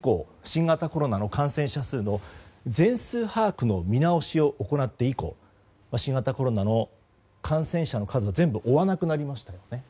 去年の９月末以降新型コロナの感染者数の全数把握の見直しを行って以降新型コロナの感染者の数を全部追わなくなりましたよね。